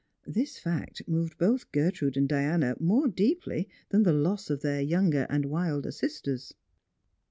Thts fact nioved both Gertrude and Diana more deeply than the loss of their younger and wilder sisters.